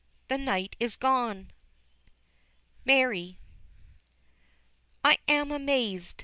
the night is gone!! MARY. I am amazed!